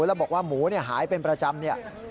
แล้วบอกว่าหมูหายเป็นประจำเนี่ย